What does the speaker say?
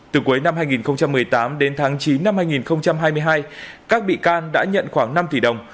từ cuối năm hai nghìn một mươi tám đến tháng chín năm hai nghìn hai mươi hai các bị can đã nhận khoảng năm tỷ đồng